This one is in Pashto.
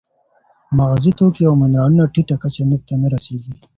مغذي توکي او منرالونه ټیټه کچه ته نه رسېږي.